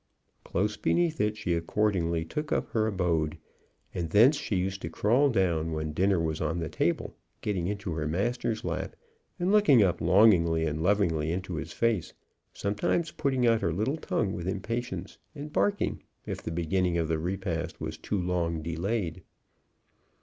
Close beneath it she accordingly took up her abode; and thence she used to crawl down when dinner was on the table, getting into her master's lap, and looking up longingly and lovingly into his face, sometimes putting out her little tongue with impatience, and barking, if the beginning of the repast was too long delayed.